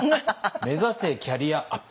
めざせキャリアアップ。